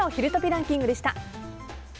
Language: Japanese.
ランキングでした。